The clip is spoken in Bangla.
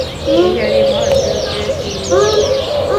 বিহারী মহেন্দ্রকে চিনিত।